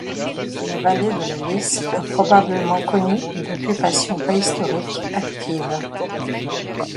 La vallée de la Lys a probablement connu une occupation préhistorique active.